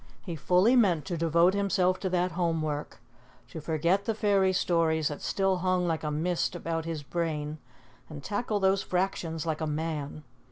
He fully meant to devote himself to that home work, to forget the fairy stories that still hung like a mist about his brain and tackle those fractions like a man.